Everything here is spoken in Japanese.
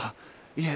いえ。